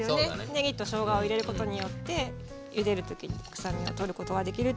ねぎとしょうがを入れることによってゆでる時に臭みを取ることができるっていうのを。